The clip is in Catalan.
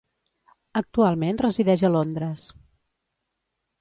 Actualment resideix a Londres.